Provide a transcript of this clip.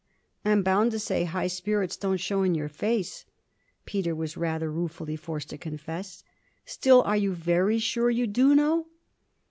'I'm bound to say high spirits don't show in your face,' Peter was rather ruefully forced to confess. 'Still, are you very sure you do know?'